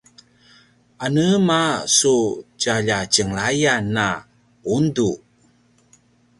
anema su tjalja tjenglayan a undu?